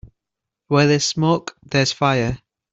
Where there's smoke there's fire.